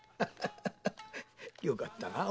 よかったなあ